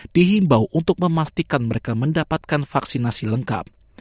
dihimbau untuk memastikan mereka mendapatkan vaksinasi lengkap